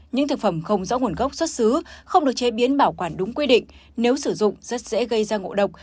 những thực phẩm không rõ nguồn gốc xuất xứ không được chế biến bảo quản đúng quy định nếu sử dụng rất dễ gây ra ngộ độc